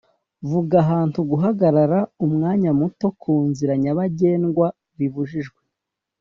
vuga ahantu guhagarara Umwanya muto kunzira nyabagendwa bibujijwe?